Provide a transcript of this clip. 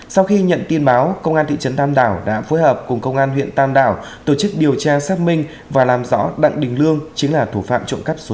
sau khi nhận tin báo công an thị trấn tam đảo đã phối hợp cùng công an huyện tam đảo tổ chức điều tra xác minh và làm rõ đặng đình lương chính là thủ phạm trộm cắp số tiền